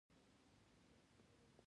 د ښکلا ادبي او عاطفي انځور